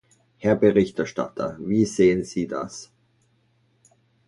Herr Berichterstatter, wie sehen Sie das?